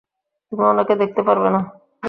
তুমি ওনাকে দেখতে পারবে না।